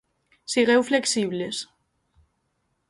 Sigueu flexibles.